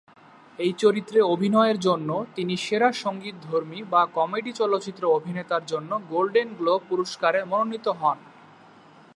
এই চরিত্রে অভিনয়ের জন্য তিনি সেরা সঙ্গীতধর্মী বা কমেডি চলচ্চিত্র অভিনেতার জন্য গোল্ডেন গ্লোব পুরস্কারে মনোনীত হন।